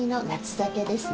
酒ですね。